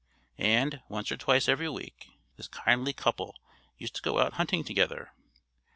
And, once or twice every week, this kindly couple used to go out hunting together.